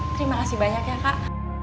terima kasih banyak ya kak